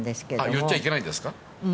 言っちゃいけないんですか？